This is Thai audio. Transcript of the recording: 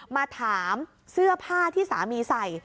มาถามเสื้อผ้าที่สามีใส่